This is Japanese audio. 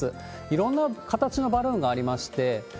いろんな形のバルーンがありまして。